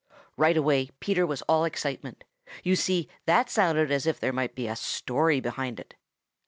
Right away Peter was all excitement. You see, that sounded as if there might be a story behind it.